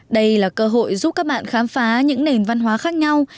đây là cơ hội giúp các bạn khám phá những nền văn hóa khác nhau